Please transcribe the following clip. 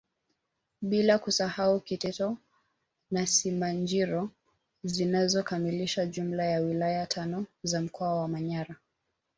Bila kusahau Kiteto na Simanjiro zinazokamilisha jumla ya wilaya tano za mkoa wa Manyara